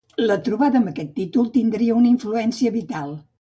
La trobada amb aquest títol tindria una influència vital.